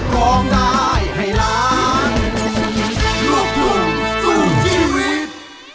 ขอบคุณทุกคนที่ช่วยด้วย